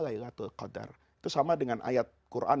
itu sama dengan ayat quran